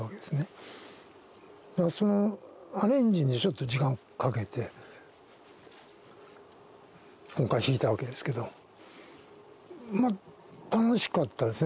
そのアレンジにちょっと時間をかけて今回弾いたわけですけどまっ楽しかったですね。